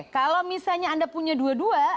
kalau misalnya anda punya dua dua